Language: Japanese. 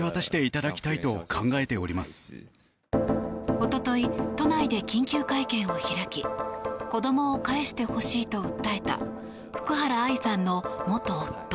おととい都内で緊急会見を開き子どもを返してほしいと訴えた福原愛さんの元夫。